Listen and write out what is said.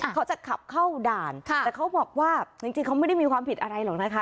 เขาจะขับเข้าด่านแต่เขาบอกว่าจริงเขาไม่ได้มีความผิดอะไรหรอกนะคะ